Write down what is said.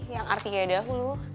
yang artinya dahulu